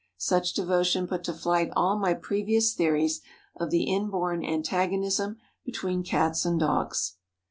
Such devotion put to flight all my previous theories of the inborn antagonism between Cats and dogs.